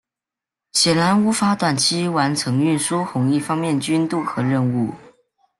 显然无法短期完成运输红一方面军渡河任务。